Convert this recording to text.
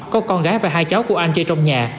có con gái và hai cháu của anh chơi trong nhà